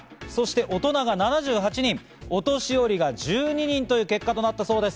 大人が７８人、お年寄りが１２人という結果になったそうです。